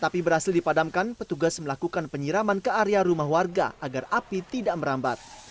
penyiraman ke area rumah warga agar api tidak merambat